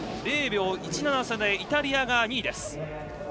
０秒１７差でイタリアが２位です。